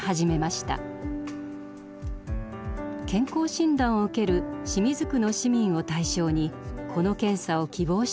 健康診断を受ける清水区の市民を対象にこの検査を希望した人に受けてもらっています。